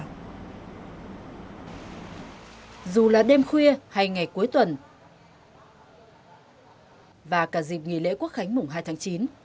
dù là đêm khuya hay ngày cuối tuần và cả dịp nghỉ lễ quốc khánh mùng hai tháng chín